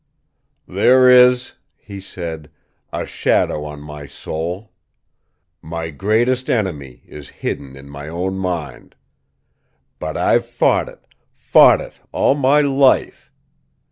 "There is," he said, "a shadow on my soul. My greatest enemy is hidden in my own mind. "But I've fought it, fought it all my life.